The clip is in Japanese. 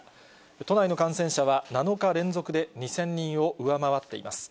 都内の感染者は７日連続で２０００人を上回っています。